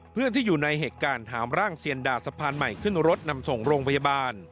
เพื่อนที่อยู่ในเหตุการณ์หามร่างเซียนดาสะพานใหม่ขึ้นรถนำส่งโรงพยาบาล